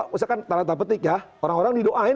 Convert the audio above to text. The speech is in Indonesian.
misalkan talatah petik ya orang orang didoain